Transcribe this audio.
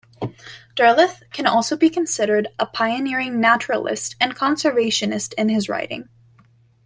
Derleth can also be considered a pioneering naturalist and conservationist in his writing.